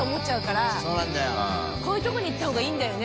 こういう所に行ったほうがいいんだよね。